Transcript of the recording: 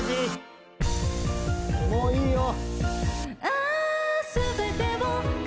もういいよ。